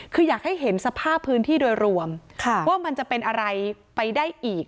คืออยากให้เห็นสภาพพื้นที่โดยรวมว่ามันจะเป็นอะไรไปได้อีก